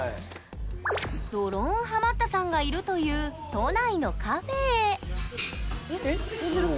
ドローンハマったさんがいるという都内のカフェへえっ飛んでる！